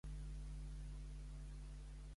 I què els feien conèixer les religioses d'allà?